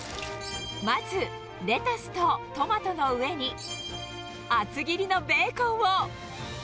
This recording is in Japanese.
まず、レタスとトマトの上に、厚切りのベーコンを。